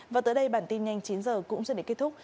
và tới đây bản tin nhanh chín h cũng xin để kết thúc